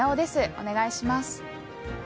お願いします。